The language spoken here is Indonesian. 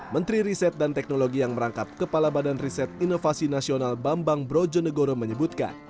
menteri riset dan teknologi yang merangkap kepala badan riset inovasi nasional bambang brojonegoro menyebutkan